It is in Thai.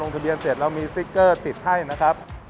ลงทะเบียนเสร็จแล้วมีซิกเกอร์ติดให้นะครับ